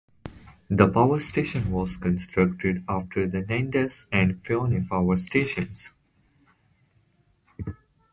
The power station was constructed after the Nendaz and Fionnay power stations.